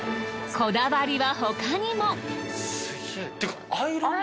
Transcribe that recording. こだわりは他にも。